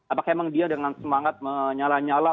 apakah memang dia dengan semangat menyala nyala